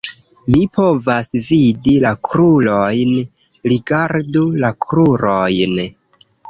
Mi povas vidi la krurojn, rigardu la krurojn.